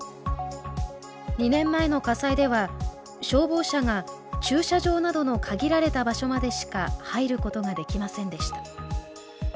２年前の火災では消防車が駐車場などの限られた場所までしか入ることができませんでした